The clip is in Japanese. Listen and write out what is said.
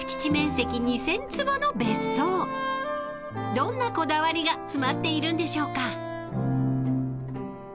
［どんなこだわりが詰まっているんでしょうか？］